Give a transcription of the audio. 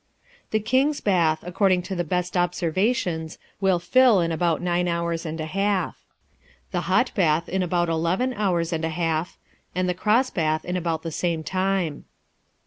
The King's Bath (according to the best observations) will fill in about nine hours and a half; the Hot Bath in about eleven hours and a half; and the Cross Bath in about the same time.